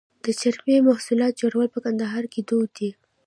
د چرمي محصولاتو جوړول په کندهار کې دود دي.